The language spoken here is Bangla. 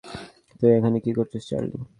তুমি এখানে কী করছো, চার্লি?